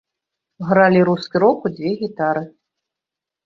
Гралі рускі рок у дзве гітары.